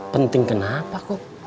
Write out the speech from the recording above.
penting kenapa kum